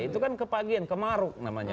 itu kan kepagian kemaruk namanya